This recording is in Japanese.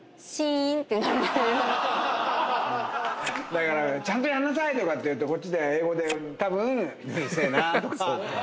だから「ちゃんとやんなさい」とかって言うとこっちで英語でたぶん「うるせえな」とか。